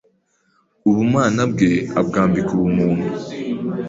ubumana bwe abwambika ubumuntu,